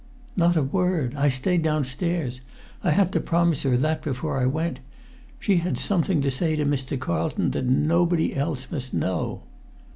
"Not a word. I stayed downstairs. I had to promise her that before I went. She had something to say to Mr. Carlton that nobody else must know."